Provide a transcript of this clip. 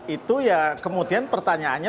itu ya kemudian pertanyaannya